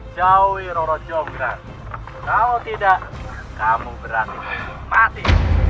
jauhi roro jombra kalau tidak kamu berarti mati